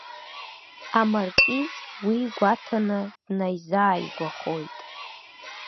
Амаркиз, уи гәаҭаны, днаизааигәахоит.